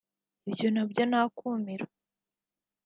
Ibyo nabyo ni akumiro